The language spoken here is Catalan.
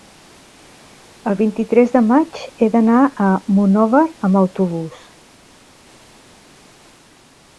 El vint-i-tres de maig he d'anar a Monòver amb autobús.